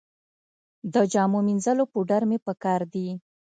د جامو مینځلو پوډر مې په کار دي